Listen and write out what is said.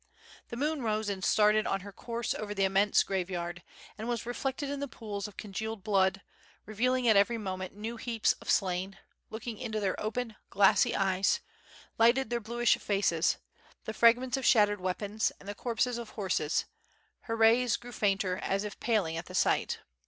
The moon rose and started on her course over the immense graveyard, and was reflected in the pools of congealed blood, revealing at every' moment new heaps of slain, looked into their open, glassy eyes, lighted their bluish faces, the fragments of shattered weapons, and the corpses of horses — her rays grew fainter as if paling at the sight.